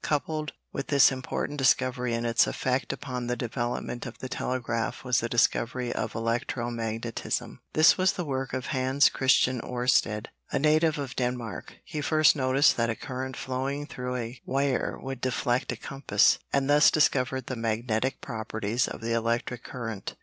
Coupled with this important discovery in its effect upon the development of the telegraph was the discovery of electro magnetism. This was the work of Hans Christian Oersted, a native of Denmark. He first noticed that a current flowing through a wire would deflect a compass, and thus discovered the magnetic properties of the electric current.